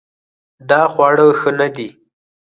دا خواړه ښه نه دي